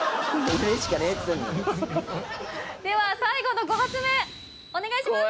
では最後の５発目お願いします！